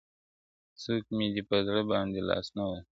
• څوك مي دي په زړه باندي لاس نه وهي.